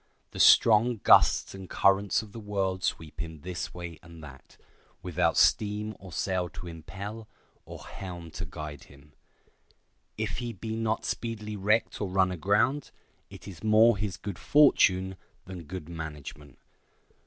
The strong gusts and currents of the world sweep him this way and that, without steam or sail to impel, or helm to guide him. If he be not speedily wrecked or run aground, it is more his good fortune than good management.